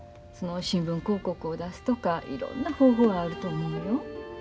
新聞広告を出すとかいろんな方法はあると思うよ。